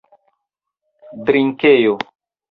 drinkejo